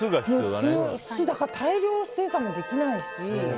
大量生産もできないし。